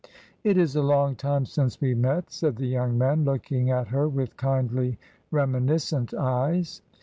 " It is a long time since we met," said the young man, looking at her with kindly reminiscent eyes.